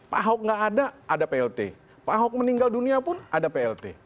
pak ahok nggak ada ada plt pak ahok meninggal dunia pun ada plt